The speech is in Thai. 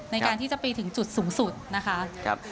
ในการที่จะไปถึงจุดสูงสุดนะคะ